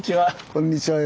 こんにちは。